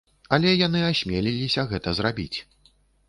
Але яны асмеліліся гэта зрабіць.